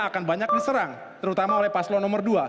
akan banyak diserang terutama oleh paslon nomor dua